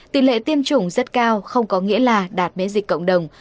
tỷ lệ tiêm chủng rất cao không có nghĩa là đạt mế dịch cộng đồng